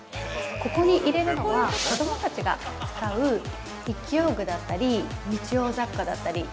ここに入れるのは、子供たちが使う筆記用具だったり、日用雑貨だったり。